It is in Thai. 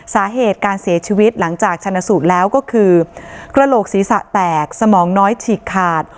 สาเหตุการเสียชีวิตหลังจากชนะสูตรแล้วก็คือกระโหลกศีรษะแตกสมองน้อยฉีกขาด